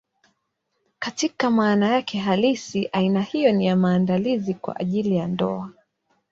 Katika maana yake halisi, aina hiyo ni ya maandalizi kwa ajili ya ndoa.